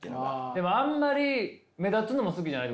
でもあんまり目立つのも好きじゃない？